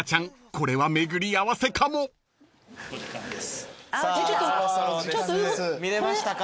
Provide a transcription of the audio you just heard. これは巡り合わせかも］見れましたか？